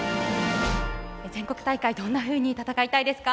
全国大会どんなふうに戦いたいですか？